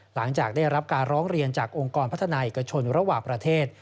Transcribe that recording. หลังจากได้รับการร้องเรียนจากองค์กรพัฒนาเอกชนระหว่างประเทศ